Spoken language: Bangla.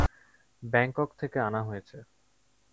ব্যাংকক থেকে আনা হয়েছে।